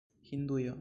Hindujo